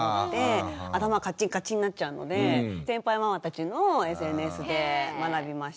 頭カッチンカチンになっちゃうので先輩ママたちのＳＮＳで学びました。